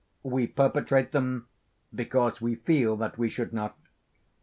We perpetrate them because we feel that we should not.